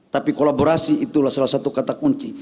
tapi kolaborasi itulah salah satu kata kunci